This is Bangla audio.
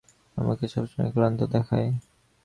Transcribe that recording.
আমাকে সবসময়ই ক্লান্ত দেখায়।